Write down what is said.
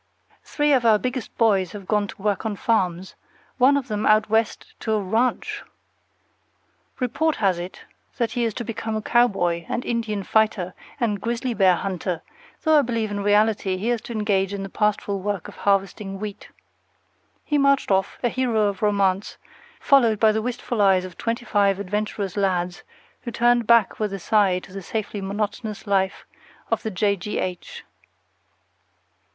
Three of our biggest boys have gone to work on farms, one of them out West to a RANCH! Report has it that he is to become a cowboy and Indian fighter and grizzly bear hunter, though I believe in reality he is to engage in the pastoral work of harvesting wheat. He marched off, a hero of romance, followed by the wistful eyes of twenty five adventurous lads, who turned back with a sigh to the safely monotonous life of the J. G. H.